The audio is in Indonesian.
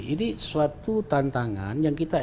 ini suatu tantangan yang kita